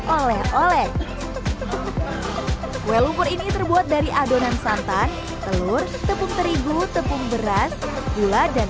oleh oleh kue lumpur ini terbuat dari adonan santan telur tepung terigu tepung beras gula dan